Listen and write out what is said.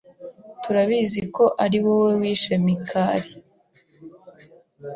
Turabizi ko ariwowe wishe Mikali.